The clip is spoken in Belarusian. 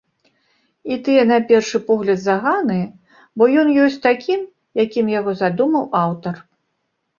І тыя на першы погляд заганы, бо ён ёсць такім, якім яго задумаў аўтар.